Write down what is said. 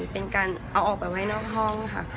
เป็นการเอาออกไปไว้นอกห้องค่ะ